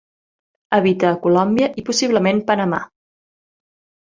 Habita a Colòmbia i possiblement Panamà.